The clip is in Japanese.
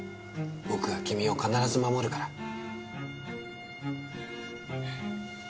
僕が君を必ず守るから。